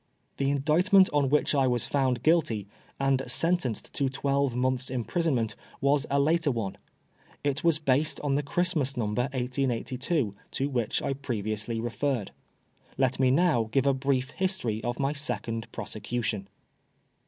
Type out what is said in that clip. The Lidictment on which I was found guilty, and sentenced to twelve months' imprisonment, was a later one. It was based on the Christmas Number, 1882, to which I previously referred. Let me now give a brief history of my second prosecution.